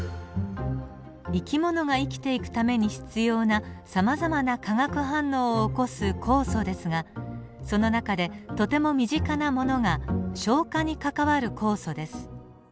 生き物が生きていくために必要なさまざまな化学反応を起こす酵素ですがその中でとても身近なものが消化に関わる酵素です。